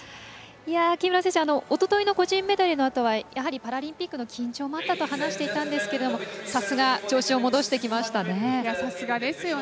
木村選手、おとといの個人メドレーのあとはやはりパラリンピックの緊張もあったと話していたんですがさすが、調子を戻してきましたね。